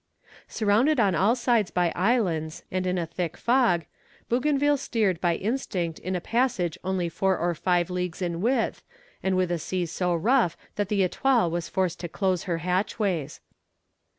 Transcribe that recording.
Surrounded on all sides by islands, and in a thick fog, Bougainville steered by instinct in a passage only four or five leagues in width, and with a sea so rough that the Etoile was forced to close her hatchways.